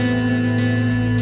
oke sampai jumpa